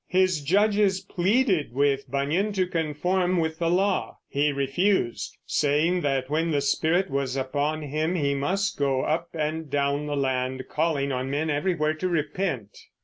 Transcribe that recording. His judges pleaded with Bunyan to conform with the law. He refused, saying that when the Spirit was upon him he must go up and down the land, calling on men everywhere to repent.